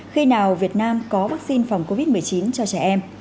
khi nào việt nam có vaccine phòng covid một mươi chín cho trẻ em